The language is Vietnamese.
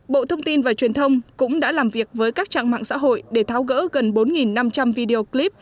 bộ thông tin và truyền thông cũng đã làm việc với các trang mạng xã hội để tháo gỡ gần bốn năm trăm linh video clip